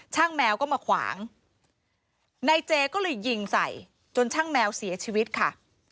แมวก็มาขวางนายเจก็เลยยิงใส่จนช่างแมวเสียชีวิตค่ะ